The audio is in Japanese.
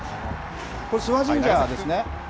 これ、諏訪神社ですね？